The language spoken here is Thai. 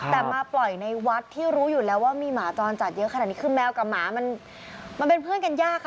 แต่มาปล่อยในวัดที่รู้อยู่แล้วว่ามีหมาจรจัดเยอะขนาดนี้คือแมวกับหมามันเป็นเพื่อนกันยากค่ะ